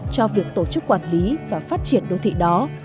cho việc tổ chức quản lý và phát triển đô thị đó